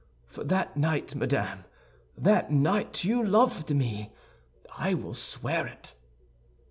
For that night, madame, that night you loved me, I will swear it."